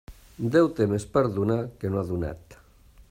Déu té més per donar, que no ha donat.